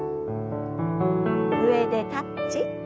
上でタッチ。